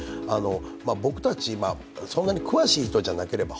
僕たち、そんなに詳しい人じゃなければ